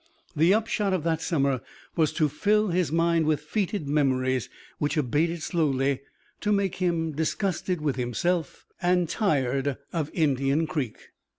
The upshot of that summer was to fill his mind with fetid memories, which abated slowly, to make him disgusted with himself and tired of Indian Creek.